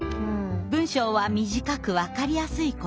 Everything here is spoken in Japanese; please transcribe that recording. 文章は短くわかりやすい言葉で。